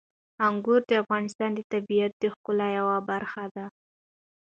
انګور د افغانستان د طبیعت د ښکلا یوه برخه ده.